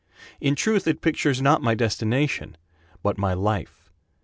In truth it pictures not my destination But my life.